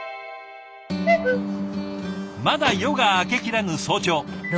まだ夜が明けきらぬ早朝。